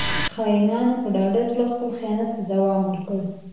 • خاینانو په ډاډه زړه خپل خیانت ته دوام ورکړ.